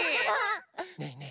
ねえねえ